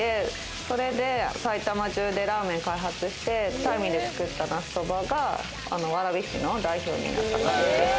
それで埼玉中でラーメン開発して、大味で作ったなすそばが、蕨市の代表になった感じです。